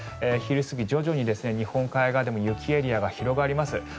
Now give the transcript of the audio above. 昼過ぎ、徐々に日本海側でも雪エリアが広がります。